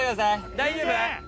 大丈夫？